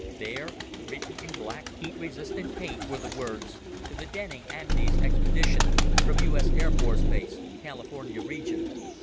There, written in black, heat resistant paint, were the words: _To the Denning Andes Expedition, from U.S. Air Force Base, California Region.